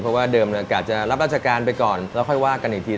เพราะว่าเดิมกะจะรับราชการไปก่อนแล้วค่อยว่ากันอีกที